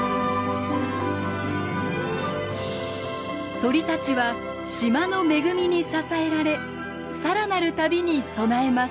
鳥たちは島の恵みに支えられさらなる旅に備えます。